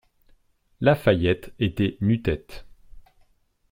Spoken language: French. La Fayette était nu tête.